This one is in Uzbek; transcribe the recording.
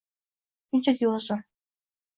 Shunchaki, o'zim.